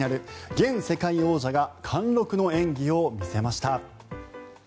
現世界王者が貫禄の演技を見せました。